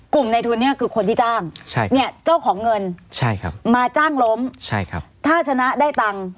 กลุ่มในทุนนี้คือคนที่จ้างจ้าวของเงินมาจ้างล้มถ้าชนะได้ตังค์